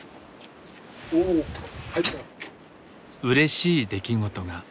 うれしい出来事が。